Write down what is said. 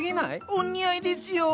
お似合いですよ。